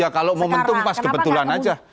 ya kalau momentum pas kebetulan aja